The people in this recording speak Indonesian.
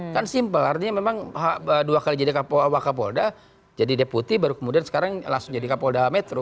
kan simpel artinya memang dua kali jadi wakapolda jadi deputi baru kemudian sekarang langsung jadi kapolda metro